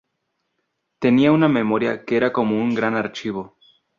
Tenía una memoria que era como un gran archivo.